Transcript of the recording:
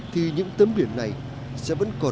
thì những tấm biển này sẽ vẫn còn mang đến cơm áo